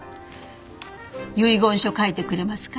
遺言書書いてくれますか？